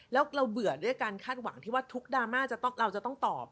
แล้วเราเบื่อด้วยการคาดหวังที่ว่าทุกดราม่าเราจะต้องตอบ